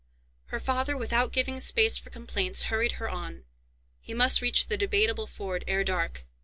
Her father, without giving space for complaints, hurried her on. He must reach the Debateable Ford ere dark.